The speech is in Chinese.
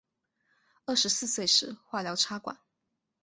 二十四岁时化疗插管